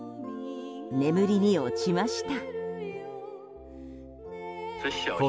眠りに落ちました。